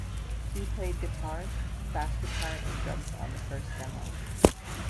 He played guitar, bass guitar and drums on the first demo.